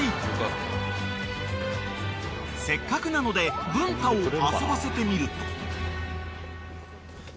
［せっかくなので文太を遊ばせてみると］